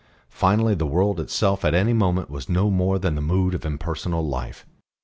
Finally, the world itself at any moment was no more than the mood of impersonal life.